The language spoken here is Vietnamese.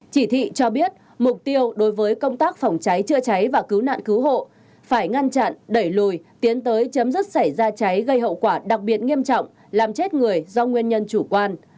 chỉ thị cho biết mục tiêu đối với công tác phòng cháy chữa cháy và cứu nạn cứu hộ phải ngăn chặn đẩy lùi tiến tới chấm dứt xảy ra cháy gây hậu quả đặc biệt nghiêm trọng làm chết người do nguyên nhân chủ quan